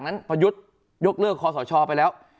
จากนั้นประยุทธ์ยกเลิกข้อสอช่อไปแล้ว